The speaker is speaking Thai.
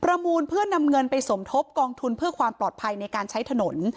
มูลเพื่อนำเงินไปสมทบกองทุนเพื่อความปลอดภัยในการใช้ถนน